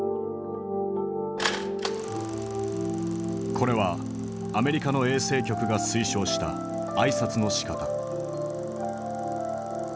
これはアメリカの衛生局が推奨した挨拶のしかた。